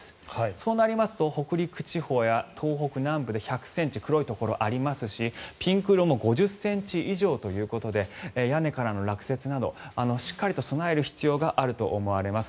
そうなりますと北陸地方や東北南部で１００ｃｍ黒いところがありますしピンク色も５０ｃｍ以上ということで屋根からの落雪などしっかりと備える必要があると思われます。